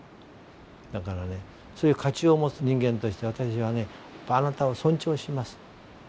だからねそういう価値を持つ人間として私はあなたを尊重します。